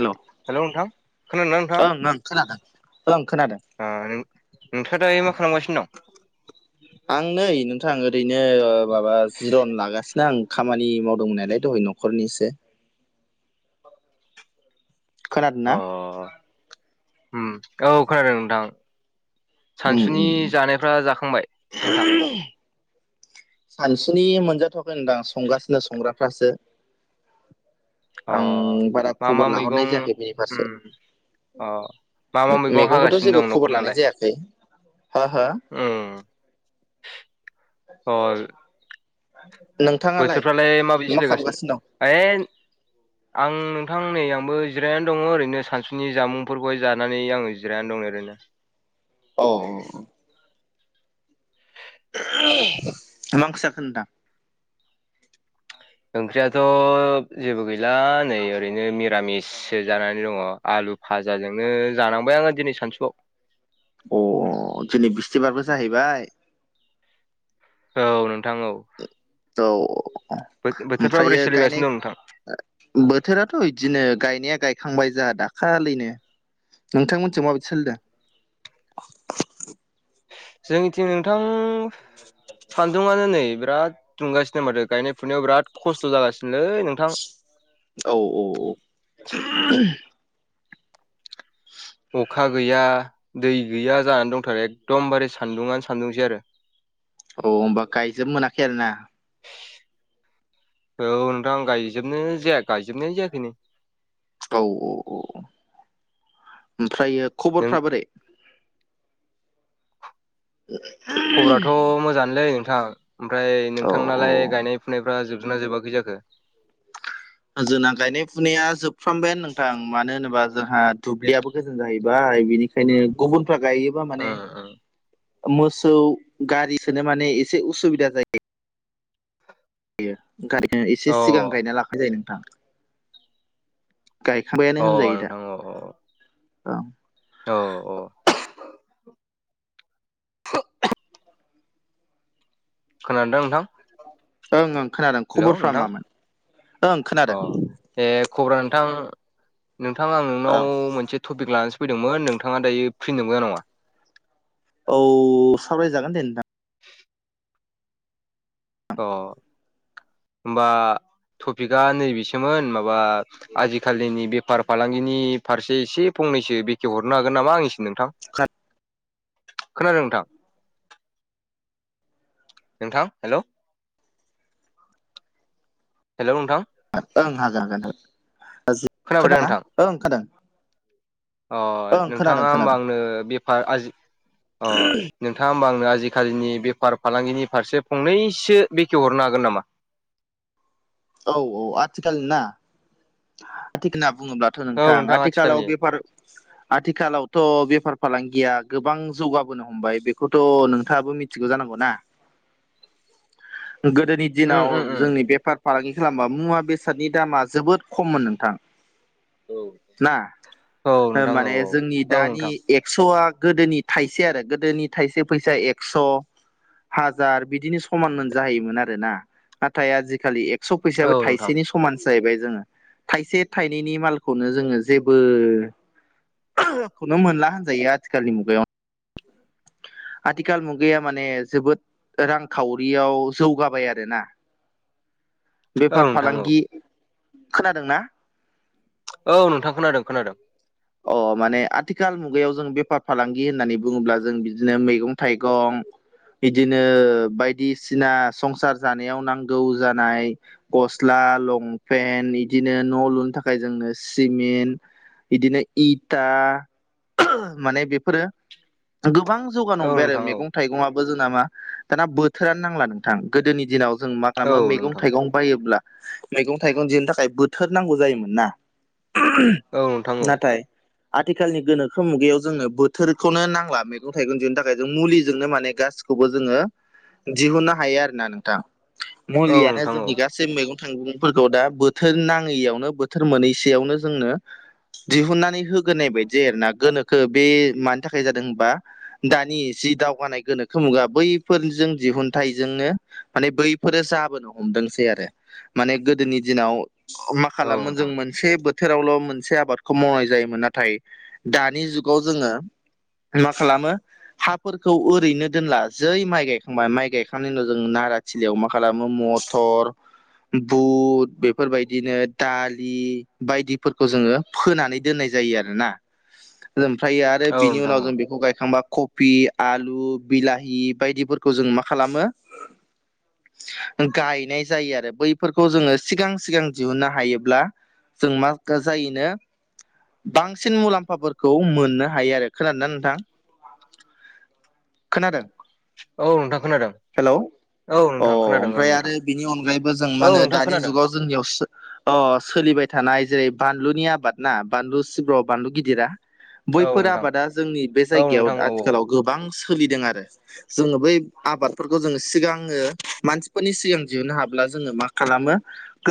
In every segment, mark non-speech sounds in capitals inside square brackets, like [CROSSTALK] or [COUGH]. हेल' ओं हेल' नोंथां खोनादों ना ओं खोनादों नोंथाङा? ओं खोनादों ओ नों-नोंथाङा दायो मा खालामगासिनो दं? आं नै नोंथां ओरैनो माबा जिरन लागासिनो आं खामानि मावदोंमोननालाय दहाय न' खरनि एसे खोनादों अ ना ओम औ खोनादों नोंथां उम सानसुनि उम जानायफ्रा जाखांबाय नोंथां? सानसुनि मोनजाथ'वाखै नोंथां संगासिनो संग्राफ्रासो अ आं बारा मा मा खबर लाहरनाय मैगं जायाखै बेनि फारसे उम अ मा मा मैगं मेगंखौथ' हागासिनो दं जेबो खबर लानाय जायाखै हा हो ओ‌ अ नोंथां बोथोरफ्रालाय माबायदि सोलिगासिनो [UNINTELLIGIBLE] आं नोंथां नै आंबो जिरायनानै दङ ओरैनो सानसुनि जामुंफोरखौहाय जानानै आङो जिरायनो दं ओरैनो औ औ औ [UNINTELLIGIBLE] मा ओंख्रि जाखो नोंथां ओंख्रियाथ' जेबो गैला नै ओरैनो मिरामिससो जानानै दङ आलु फाजाजोंनो जानांबाय आङो दिनै सानसुआव अ दिनै बिसथिबारबो जाहैबाय औ नोंथां औ औ बोथोरफ्रा बोरै ओमफ्रायो सोलिगासिनो गायनाय दं नोंथां बोथोराथ' इदिनो गायनाया गायखांबाय जोंहा दाखालिनो नोंथांमोनथिं माबायदि सोलिदों? जोंनिथिं नोंथां सान्दुङानो नै बिराद दुंगासिनो माथो गायनाय फुनायाव बिराद खस्थ' जागासिनोलै नोंथां औ औ [INAUDIBLE] अखा गैया दै गैया जानानै दंथारो एखदमबारे सान्दुङानो सान्दुंसै आरो [INAUDIBLE] औ होमबा गायजोबबो मोनाखै आरो ना। औ नोंथां आं गायजोबनो जाया गायजोबनाय जायाखैनो। औ ओमफ्राय नों खबरफ्रा बोरै? ओम। खबराथ' मोजाङानोलै नोंथां। ओमफ्राय औ औ नोंथांनालाय गायनाय फुनायफ्रा जोबदोंना जोबाखै जाखो। जोंना गायनाय फुनाया जोबफ्रामबायो नोंथां मानो होनोबा जोंहा दुब्लियाबो गोजान जाहैबाय। बिनिखाय बेखायनो गुबुनफ्रा गायोबा माने ओं मोसौ गारि सोनो माने एसे उसुबिदा जायो। गारिखौ एसे सिगां ओं गायना लाखानाय जायो नोंथां। गायखांबायानो अ होनजायो दा नोंथां अ ओं। औ औ। [UNINTELLIGIBLE] खोनादों ना नोंथां। ओं ओं खोनादों हेलौ खबरफ्रा नोंथां मामोन ओं अ खोनादों। ए खबरा नोंथां नोंथां आं ओं नोंनाव मोनसे टपिक लानोसो फैदोंमोन नोंथाङा दायो फ्रिनो नंगौना नङा। औ सावरायजागोन दे नोंथां। [INAUDIBLE] अ होनबा टपिकआ नैबेसोमोन माबा आजिखालिनि बेफार फालांगिनि फारसे एसे फंनैसो बेखेव हरनो हागोन नामा आं एसे नोंथां खोनादों नोंथां। नोंथां हेलौ। हेल' नोंथां। ओं हागोन हागोन खोनाबाय दा खादोंना नोंथां ओं खोनादों। अ ओं खोनादों नोंथाङा होमबा खोनादों आंनो बेफार आजि अ नोंथाङ होमबा आंनो आजिखालिनि बेफार फालांगिनि फारसे फंनैसो बेखेवहरनो हागोन नामा। औ औ आथिखालनि ना। आथिखालाव बुङोब्लाथ' औ नोंथां आथिखालनि आथिखालाव बेफार [INAUDIBLE] आथिखालावथ' बेफार फालांगिया गोबां जौगाबोनो हमबाय बेखौथ' नोंथाङाबो मिथि मिथिगौ जानांगौ ना। [INAUDIBLE] गोदोनि उम दिनाव उम उम जोंनि बेफार फालांगि खालामबा मुवा बेसादनि दामा जोबोद खममोन नोंथां ना औ नोंथां औ माने जोंनि औ दानि नोंथां एक्स'आ गोदोनि थाइसे आरो गोदोनि थाइसे फैसाया एक्स'। हाजार बिदिनो समान मोन जाहैयोमोन आरोना। नाथाय आजिखालि एक्स' औ फैसायाबो नोंथां थाइसेनि समान जाहैबाय जोङो थाइसे थाइनैनि मालखौनो जोङो जेबो खौनो मोनला होनजायो आथिखालनि मुगायाव। आथिखाल मुगाया माने जोबोद रांखावरियाव जौगाबाय आरोना। [INAUDIBLE] बेफार औ फालांगि खोनादों ना। औ नोंथां खोनादों खोनादों। अ माने आथिखाल मुगायाव जों बेफार फालांगि होननानै बुङोब्ला जों बिदिनो मैगं थाइगं बिदिनो बायदिसिना संसार जानायाव नांगौ जानाय गस्ला लंपेन्ट इदिनो न' लुनो थाखाय जोंनो सिमिन्ट बिदिनो इटा माने बेफोरो गोबां जौगानो औ हमबाय आरो नोंथां औ मैगं थाइगं आबो जोंना मा दाना बोथोरानो नांला नोंथां गोदोनि दिनाव जों मा औ खालामो मैगं नोंथां थाइगं बायोब्ला मैगं थाइगं जेनि थाखाय बोथोर नांगौ जायोमोन ना। औ नोंथां औ नाथाय आथिखालनि गोनोखो मुगायाव जोंङो बोथोरखौनो नांला मैगं थाइगं दिहोनो थाखाय जों मुलिजोंनो माने गासै खौबो जोङो दिहुननो हायो आरोना नोंथां औ मुलियानो नोंथां औ जोंनि गा सै मैगं थाइगंफोरखौ दा बोथोर नाङैयावनो बोथोर मोनैसेयावनो जोंनो दिहुननानै होग्रोनाय बायदि जायो आरोना गोनोखो बे मानि थाखाय जादों होनबा दानि जि दावगानाय गोनोखो मुगा बैफोरजों दिहुनथाइजोंनो माने बैफोरो जाबोनो हमदोंसै आरो माने गोदोनि दिनाव मा औ खालामोन जों नोंथां मोनसे बोथोरावल' मोनसे आबादखौ मावनाय जायो मोन नाथाय दानि जुगाव जोङो मा खालामो हाफोरखौ ओरैनो दोनला जै माइ गायखांबाय माइ गायखांनायनि उनाव जों नारा थिलियाव मा खालामो मथर बुट बेफोरबायदिनो दालि बायदिफोरखौ जोङो फोनानै दोननाय जायो आरोना ओमफ्रायो आरो औ बिनि उनाव नोंथां औ जों बेखौ गायखांबा ख फि आलु बिलाहि बायदिफोरखौ जों मा खालामो गायनाय जायो आरो बैफोरखौ जोङो सिगां सिगां दिहुननो हायोब्ला जों मा जायोनो बांसिन मुलाम्फाफोरखौ मोननो हायो आरो खोनादोंना नोंथां खोनादों? औ नोंथां खोनादोंं। हेलौ अ ओमफ्राय आरो बिनि अनगायैबो जों मा औ होनो नोंथां दानि खोनादों जुगाव जोंनियाव सोलिबाय थानाय जेरै बानलुनि आबाद ना बानलु सिब्र बानलु गिदिरा औ बैफोर नोंथां आबादा जोंनि बे औ जायगायाव नोंथां औ आथिखालाव गोबां सोलिदों आरो जोङो बै आबादफोरखौ जोङो सिगाङो मानसिफोरनि सिगां दिहुननो हाब्ला जोङो मा खालामो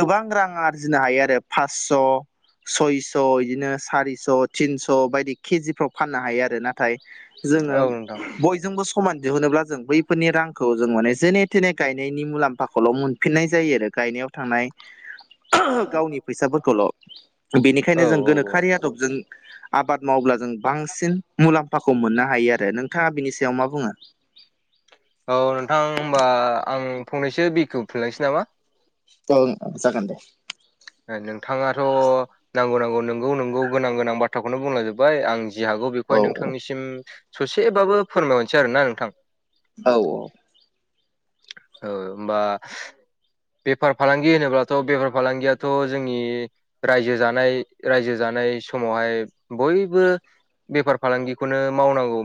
गोबां रां आरजिनो हायो आरो फासस' सय स' बिदिनो सारिस' थिनस' बायदि केजिफ्राव फाननो हायो आरोना। [UNINTELLIGIBLE] जोङो औ नोंथां औ बयजोंबो खमान दिहुनोब्ला जों बैफोरनि रांखौ जों माने जेने थेने गायनायनि मुलाम्फाखौल' मोन फिननाय जायो आरो गायनायाव थांनाय [INAUDIBLE] गावनि फैसाफोरखौल' बेनिखायनो औ जों गोनोखोआरि आदबजों आबाद मावब्ला जों बांसिन मुलाम्फाखौ मोननो हायो आरो नोंथाङा बिनि सायाव मा बुङो? औ नोंथां होमबा आं फंनैसो बिखेवफिनलांनोसै नामा। ओं जागोन दे नोंथाङाथ' नांगौ नांगौ नोंगौ नोंगौ गोनां गोनां बाथ्राखौनो बुंलांजोबबाय आं जि हागौ बेखौहाय औ नोंथांनिसिम ससेबाबो फोरमायहरनोसै आरोना नोंथां औ औ ओ होमबा बेफार फालांगि होनोब्लाथ' बेफार फालांगियाथ' जोंनि रायजो जानाय रायजो जानाय समावहाय बयबो बेफार फालांगिखौनो मावनांगौ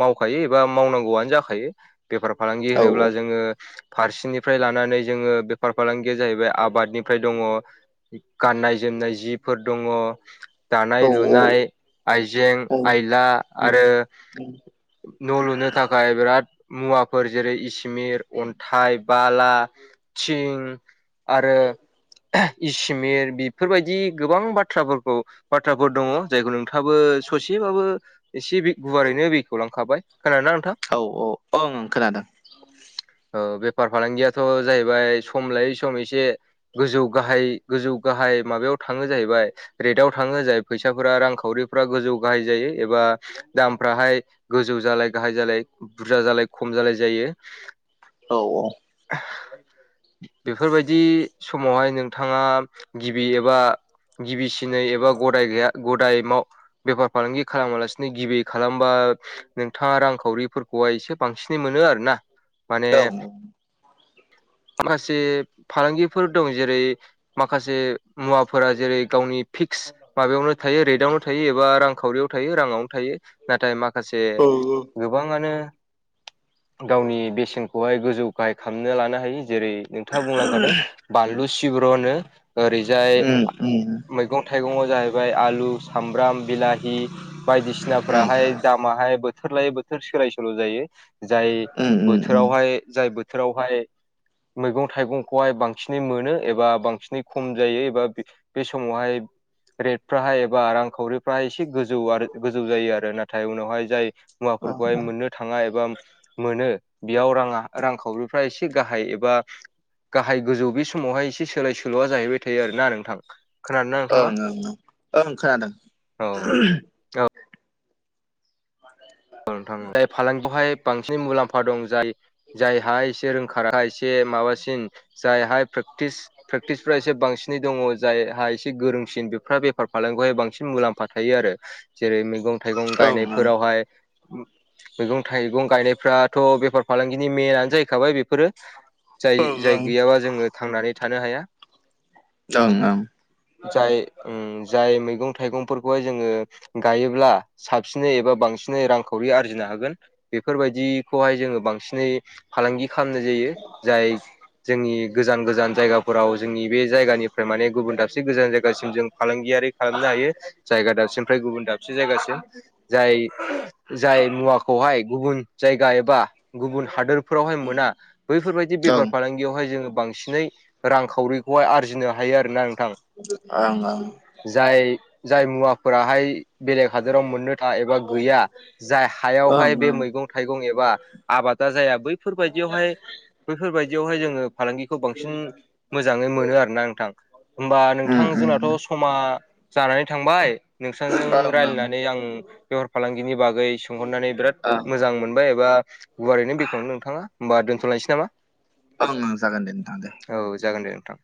मावखायो एबा मावनांगौआनो जाखायो बेफार फालांगि औ होनोब्ला फारसेनिफ्राय लानानै जोङो बेफार फालांगिया जाहैबाय आबादनिफ्राय दङ गाननाय जोमनाय जिफोर दङ। दानाय औ लुनाय आइजें औ औ आयला आरो न' लुनो थाखाय बिराद मुवाफोर जेरै इ‌ मिर अन्थाइ बाला थिं आरो इसिमट बेफोरबायदि गोबां बाथ्राफोरखौ बाथ्राफोर दङ जायखौ नोंथाङाबो ससेबाबो एसे बे गुवारैनो बेखौ लांखाबाय खोनादोंना नोंथां? औ औ ओंं खोनादों। औ बेफार फालांगियाथ' जाहैबाय सम लायै सम एसे गोजौ गाहाय गोजौ गाहाय माबायाव थाङो जाहैबाय। रेटाव थाङो जाय फैसाफोरा रांखावरिफोरा गोजौ गाहाय जायो एबा दामफ्राहाय गोजौ जालाय गाहाय जालाय बुरजा जालाय खम जालाय जायो। औ औ। बेफोरबायदि समावहाय नोंथाङा गिबि एबा गिबिसिनै एबा गदाय गैया गदाय मा बेफार फालांगि खालामालासिनो गिबि खालामबा। नोंथाङा रांखावरिफोरखौहाय एसे बांसिनै मोनो आर ना माने औ माखासे फालांगिफोर दं जेरै माखासे मुवाफोरा जेरै गावनि फिक्स माबायावनो थायो रेदावनो थायो एबा रांखावरियाव थायो राङावनो। थायो नाथाय माखासे औ गोबाङानो गावनि बेसेनखौहाय गोजौ गाहाय खालामनो लानो हायो जेरै नोंथाङा बुंलांखादों। बानलु सिब्र'नो ओरैजाय औ मैगं। थाइगङाव जाहैबाय आलु सामब्राम बिलाहि बायदिसिनाफ्राहाय दाम माहाय बोथोर लायै बोथोर सोलाय सोल' जायो। जाय उम उम उम उम बोथोरावहाय जाय बोथोरावहाय मैगं थाइगंखौहाय बांसिनै मोनो एबा बांसिनै खम जायो एबा बे समावहाय रेट फ्राहाय एबा रांखावरिफ्राहाय एसे गोजौ आरो गोजौ जायो आरो नाथाय उनावहाय जाय ओं मुवाफोरखौहाय मोननो थाङा एबा मोनो बेयाव राङा रांखावरिफ्रा एसे गाहाय एबा गाहाय गोजौ बे समावहाय एसे सोलाय सोल'या जाहैबाय थायो आरोना नोंथां। खोनादोंना नोंथाङा ओं ओं ओं खोनादों औ। औ मानो होनोब्ला नोंथां जाय फालांगियावहाय बांसिन मुलामफा दं जाय जायहा एसे रोंखा एसे माबासिन जायहा प्रेक्टिस प्रेक्टिसफ्रा एसे बांसिनै दङ। जायहा एसे गोरोंसिन बेफोरहा बेफार फालांगियावहाय बांसिन मुलामफा थायो आरो जेरै मैगं थाइगं ओं ओं गायनायफोरावहाय मैगं थाइगं गायनायफ्राथ' बेफार फालांगिनि मेनानो जाहैखाबाय बेफोरो। जाय ओं ओं जाय गैयाबा जोङो थांनानै थानो हाया। ओं ओं जाय उम जाय मैगं थाइगंफोरखौहाय जोङो गायोब्ला साबसिनै एबा बांसिनै रां खावरि आरजिनो हागोन। बेफोरबायदिखौहाय जोङो बांसिनै फालांगि खालामनाय जायो। जाय जोंनि गोजान गोजान जायगाफोराव जोंनि बे जायगानिफ्राय माने गुबुन दाबसे गोजान जायगासिम जों फालांगियारि खालामनो हायो जायगा दाबसेनिफ्राय गुबुन दाबसे जायगासिम जाय जाय मुवाखौहाय गुबुन जायगा एबा गुबुन हादोर फोरावहाय मोना बैफोरबायदि बेफार ओं ओं फालांगि। बेयावहाय जोङो बांसिनै रांखावरिखौहाय आरजिनो हायो आरोना ओं ओं जाय जाय मुवाफोराहाय बेलेग हादोराव मोननो था एबा गैया। जाय ओं हायावहाय बे मैगं थाइगं एबा आबादा जाया बैफोरबायदियावहाय बैफोरबायदियावहाय जोङो फालांगिखौ बांसिन मोजाङै मोनो आरोना नोंथां। होमबा नोंथां जोंनाथ' समा जानानै थांबाय नोंसोरजों ओं रायलायनानै आं बेफार फालांगिनि बागै सोंहरनानै बिराद ओं मोजां मोनबाय एबा गुवारैनो बेखनो नोंथाङा होनोमबा दोनथ'लायनोसै नामा? ओं ओ जागोन दे नोंथां दे औ जागोन दे नोंथां